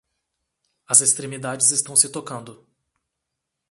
As extremidades estão se tocando.